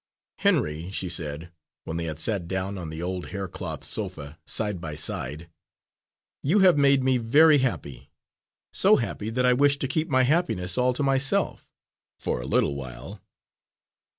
"Henry," she said, when they had sat down on the old hair cloth sofa, side by side, "you have made me very happy; so happy that I wish to keep my happiness all to myself for a little while.